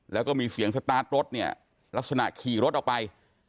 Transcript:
แล้วก็มีเสียงสตาร์ทรถเนี่ยลักษณะขี่รถออกไป